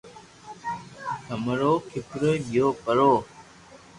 ڀمرو کپرو گيو پرو